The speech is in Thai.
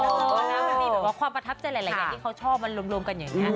มันมีความภรรพำจัญหลายอย่างที่เขาชอบมันรวมกันอย่างนี้